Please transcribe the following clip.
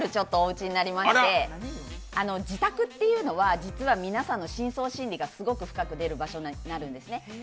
自宅っていうのは実は皆さんの深層心理がすごく深く出る場所なんですね。